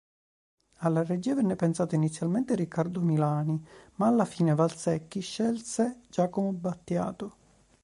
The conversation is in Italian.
Alla regia venne pensato inizialmente Riccardo Milani, ma alla fine Valsecchi scelse Giacomo Battiato.